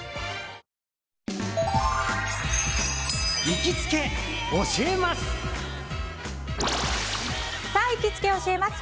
行きつけ教えます！